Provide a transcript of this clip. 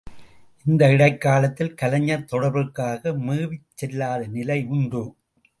இந்த இடைக்காலத்தில் கலைஞர் தொடர்புக்காக மேவிச்செல்லாத நிலை உண்டு!